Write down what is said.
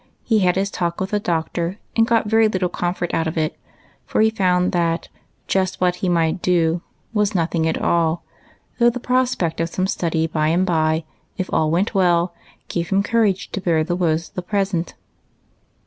He had his talk with the doctor, and got very little comfort out of it, for he found that "just what he might do" was nothing at all; though the prospect of some study by and by, if all went well, gave him courage to bear the woes of the present.